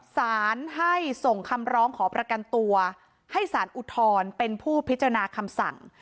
สารให้ส่งคำร้องขอประกันตัวให้สารอุทธรณ์เป็นผู้พิจารณาคำสั่ง